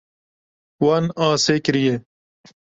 Wan asê kiriye.